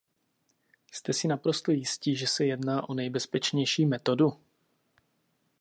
Jste si naprosto jistí, že se jedná o nejbezpečnější metodu?